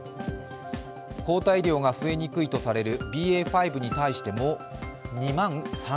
抗体量が増えにくいとされるＢＡ．５に対しても２万３０００。